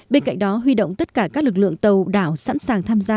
bên cạnh đó huy động tất cả các lực lượng tàu đảo sẵn sàng tham gia